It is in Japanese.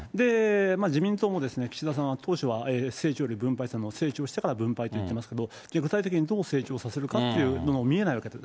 自民党も岸田さんは当初は、成長より分配、成長してから分配と言ってますけど、具体的にどう成長させるかというのが見えないわけです。